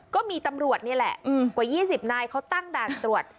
ก็มีตำรวจนี่แหละกว่า๒๐นายเขาตั้งด่านตรวจ